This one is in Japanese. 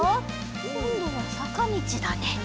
こんどはさかみちだね。